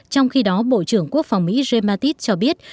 trong khi đó bộ trưởng quốc phòng mỹ ray matisse cho biết